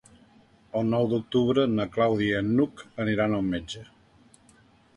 El nou d'octubre na Clàudia i n'Hug aniran al metge.